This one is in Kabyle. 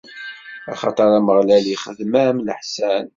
Axaṭer Ameɣlal ixdem-am leḥsan.